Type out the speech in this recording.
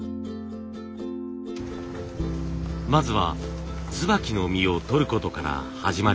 まずは椿の実をとることから始まります。